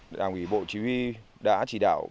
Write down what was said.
đảng ủy bộ chí huy đã chỉ đạo